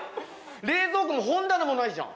冷蔵庫も本棚もないじゃん。